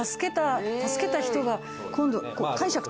助けた人が今度。